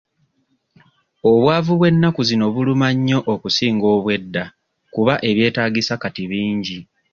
Obwavu bw'ennaku zino buluma nnyo okusinga obw'edda kuba ebyetaagisa kati bingi.